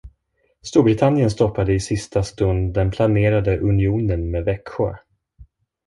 Storbritannien stoppade i sista stund den planerade unionen med Växjö.